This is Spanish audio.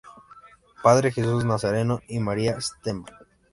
Padre Jesús Nazareno y María Stma.